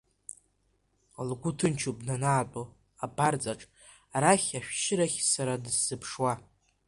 Лгәы ҭынчуп данаатәо абарҵаҿ, арахь, ашәшьырахь, сара дысзыԥшуа.